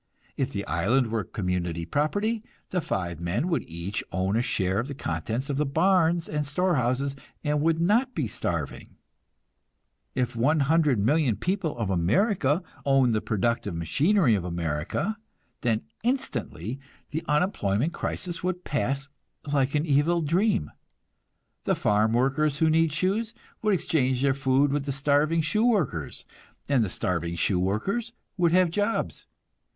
If the island were community property, the five men would each own a share of the contents of the barns and storehouses, and would not be starving. If the 100,000,000 people of America owned the productive machinery of America, then instantly the unemployment crisis would pass like an evil dream. The farm workers who need shoes would exchange their food with the starving shoe workers, and the starving shoe workers would have jobs.